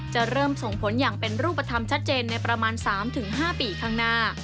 จะเริ่มส่งผลอย่างเป็นรูปธรรมชัดเจนในประมาณ๓๕ปีข้างหน้า